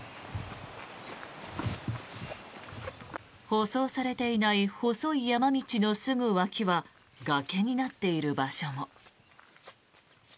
舗装されていない細い山道のすぐ脇は崖になっている場所も。